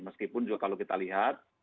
meskipun juga kalau kita lihat